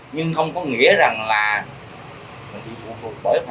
nhưng không có nghĩa rằng là không không có nghĩa rằng là